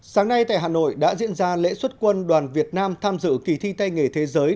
sáng nay tại hà nội đã diễn ra lễ xuất quân đoàn việt nam tham dự kỳ thi tay nghề thế giới